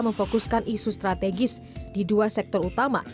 memfokuskan isu strategis di dua sektor utama